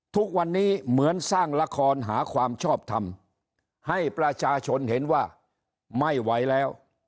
ทุกวันนี้เหมือนสร้างละครหาความชอบทำให้ประชาชนเห็นว่าไม่ไหวแล้ว